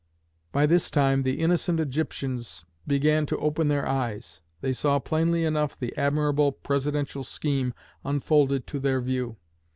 By this time the innocent Egyptians began to open their eyes; they saw plainly enough the admirable Presidential scheme unfolded to their view.